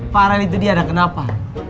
farel itu dia dan kenapa